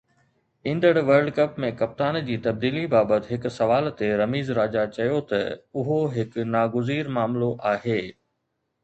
ايندڙ world cup ۾ ڪپتان جي تبديلي بابت هڪ سوال تي رميز راجا چيو ته اهو هڪ ناگزير معاملو آهي.